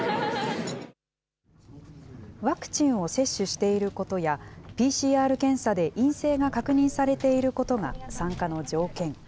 ワクチンを接種していることや、ＰＣＲ検査で陰性が確認されていることが参加の条件。